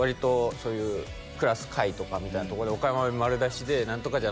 そういうクラス会とかみたいなとこで岡山弁丸出しで「何とかじゃ」